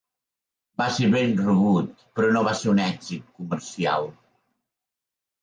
Va ser ben rebut però no va ser un èxit comercial.